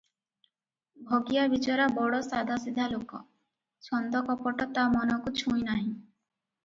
ଭଗିଆ ବିଚରା ବଡ଼ ସାଦାସିଧା ଲୋକ, ଛନ୍ଦ କପଟ ତା ମନ କୁ ଛୁଇଁ ନାହିଁ ।